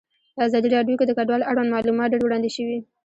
په ازادي راډیو کې د کډوال اړوند معلومات ډېر وړاندې شوي.